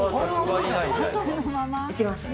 いきますね。